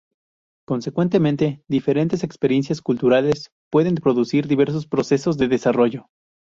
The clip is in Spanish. Consecuentemente, diferentes experiencias culturales pueden producir diversos procesos de desarrollo.